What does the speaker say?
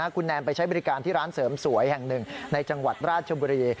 คุณแนนไปใช้บริการที่ร้านเสริมสวยแห่งหนึ่งในจังหวัดราชบุรี